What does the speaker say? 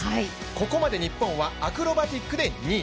ここまで日本はアクロバティックで２位。